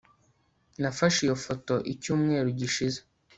nafashe iyo foto icyumweru gishize